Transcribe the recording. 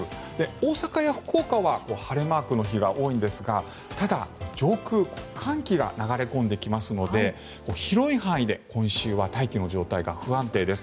大阪や福岡は晴れマークの日が多いんですがただ、上空寒気が流れ込んできますので広い範囲で今週は大気の状態が不安定です。